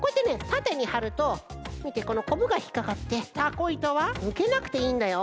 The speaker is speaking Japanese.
たてにはるとみてこのこぶがひっかかってたこいとはぬけなくていいんだよ